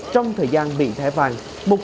trong thời gian bị thẻ vàng